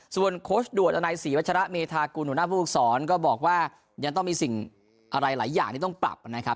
ส่วนโค้ชด่วนอนัยศรีวัชระเมธากุลหัวหน้าผู้ฝึกศรก็บอกว่ายังต้องมีสิ่งอะไรหลายอย่างที่ต้องปรับนะครับ